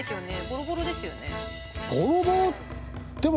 ボロボロですよね。